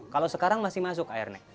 kalau sekarang masih masuk air naik